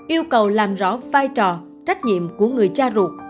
yêu cầu làm rõ vai trò trách nhiệm của người cha ruột